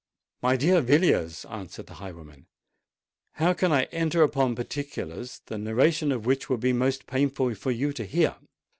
"My dear Villiers," answered the highwayman, "how can I enter upon particulars the narration of which would be most painful for you to hear?